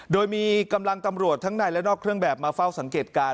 โดยมีกำลังตำรวจทั้งในและนอกเครื่องแบบมาเฝ้าสังเกตการณ